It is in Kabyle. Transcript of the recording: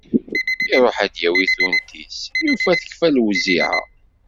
Iruḥ ad d-yawi tunt-is, yufa tekfa lewziεa.